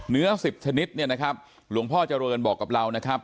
สิบชนิดเนี่ยนะครับหลวงพ่อเจริญบอกกับเรานะครับ